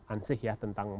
ansih ya tentang